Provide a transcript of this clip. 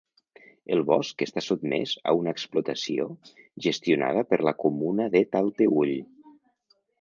El bosc està sotmès a una explotació gestionada per la comuna de Talteüll.